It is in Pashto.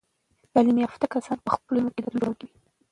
تعلیم یافته کسان په خپلو سیمو کې د بدلون جوړونکي وي.